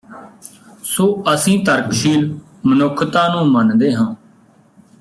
ਸੋ ਅਸੀਂ ਤਰਕਸ਼ੀਲ ਮਨੁੱਖਤਾ ਨੂੰ ਮੰਨਦੇ ਹਾਂ